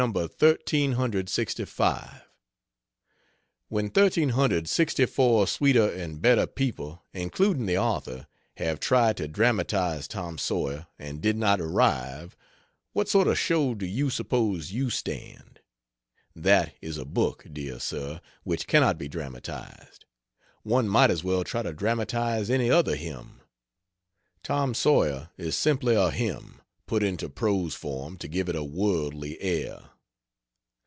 1365. When 1364 sweeter and better people, including the author, have "tried" to dramatize Tom Sawyer and did not arrive, what sort of show do you suppose you stand? That is a book, dear sir, which cannot be dramatized. One might as well try to dramatize any other hymn. Tom Sawyer is simply a hymn, put into prose form to give it a worldly air.